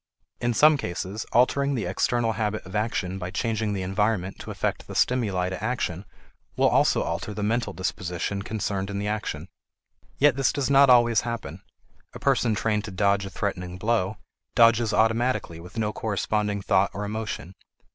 In some cases, altering the external habit of action by changing the environment to affect the stimuli to action will also alter the mental disposition concerned in the action. Yet this does not always happen; a person trained to dodge a threatening blow, dodges automatically with no corresponding thought or emotion.